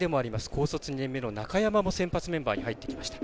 高卒２年目の中山も先発メンバーに入ってきました。